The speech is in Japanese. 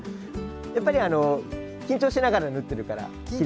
やっぱりあの緊張しながら縫ってるからきれいに。